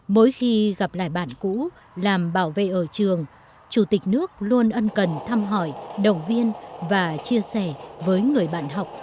mỗi khi gặp lại bạn cũ làm bảo vệ ở trường chủ tịch nước luôn ân cần thăm hỏi động viên và chia sẻ với người bạn học